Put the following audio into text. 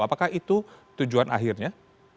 apakah itu tujuan akhirnya